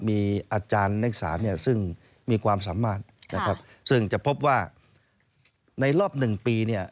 มีอาจารย์นักศาเนี่ยซึ่งมีความสามารถนะครับซึ่งจะพบว่าในรอบหนึ่งปีเนี่ย